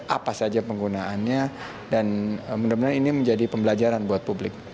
apa saja penggunaannya dan mudah mudahan ini menjadi pembelajaran buat publik